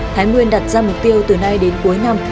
thái nguyên đặt ra mục tiêu từ nay đến cuối năm